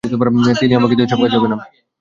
ভিকি, আমাকে দিয়ে এসব কাজ হবে না।